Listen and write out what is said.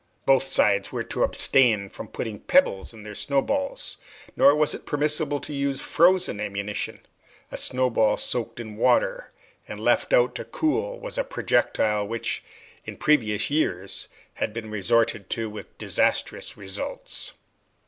Both sides were to abstain from putting pebbles into their snow balls, nor was it permissible to use frozen ammunition. A snow ball soaked in water and left out to cool was a projectile which in previous years had been resorted to with disastrous results.